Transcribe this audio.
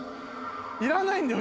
いらないんだよ